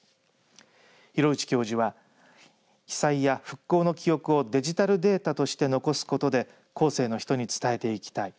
廣内教授は被災や復興の記憶をデジタルデータとして残すことで後世の人に伝えていきたい。